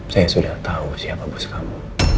saya sudah tau siapa bos kamu